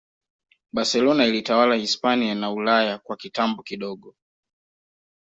Barcelona ilitawala Hispania na Ulaya kwa kitambo kidogo